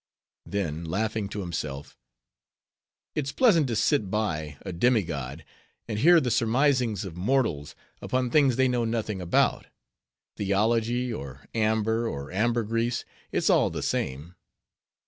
Then, laughing to himself:—"It's pleasant to sit by, a demi god, and hear the surmisings of mortals, upon things they know nothing about; theology, or amber, or ambergris, it's all the same.